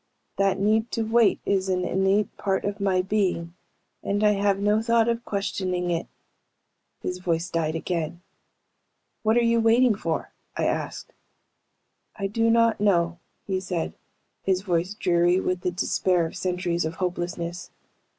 That need to wait is an innate part of my being and I have no thought of questioning it." His voice died again. "What are you waiting for?" I asked. "I do not know," he said, his voice dreary with the despair of centuries of hopelessness.